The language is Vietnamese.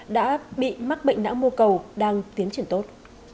đã bị mắc bệnh não mô cầu đang tiến triển tốt